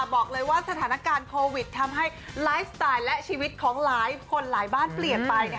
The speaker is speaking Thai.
บอกเลยว่าสถานการณ์โควิดทำให้ไลฟ์สไตล์และชีวิตของหลายคนหลายบ้านเปลี่ยนไป